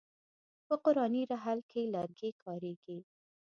په قرآني رحل کې لرګی کاریږي.